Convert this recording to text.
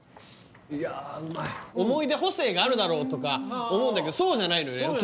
いやうまい思い出補正があるだろうとか思うんだけどそうじゃないのよね